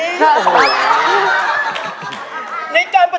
ในการประจำนั้น